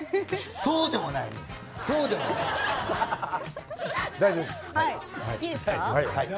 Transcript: そうでもないよ。